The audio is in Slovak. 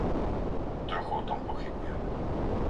Trochu o tom pochybujem.